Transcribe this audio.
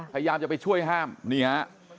พยายามจะไปช่วยห้ามนี่ฮะ